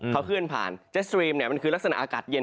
เค้าขึ้นผ่านเจสตรีมมันคือลักษณะอากาศเย็น